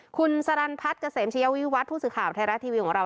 คุณสรรันพัทรกระเสมเชียวิวัฒน์พูดสื่อข่าวไทยรัฐทีวีของเรา